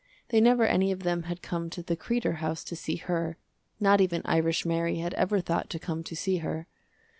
They never any of them had come to the Kreder house to see her. Not even Irish Mary had ever thought to come to see her.